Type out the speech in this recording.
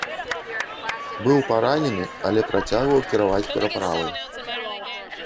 Быў паранены, але працягваў кіраваць пераправай.